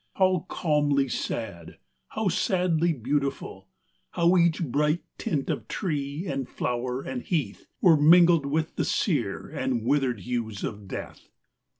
How calmly sad, how sadly beautiful ; How each bright tint of tree, and flower, and heath Were mingling with the sere and withered hues of death.